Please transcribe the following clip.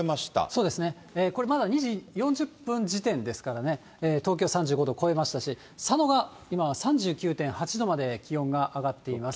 そうですね、これ、まだ２時４０分時点ですからね、東京３５度超えましたし、佐野が今は３９．８度まで気温が上がっています。